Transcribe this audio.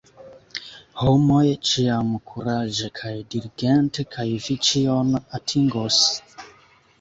Homoj, ĉiam kuraĝe kaj diligente, kaj vi ĉion atingos!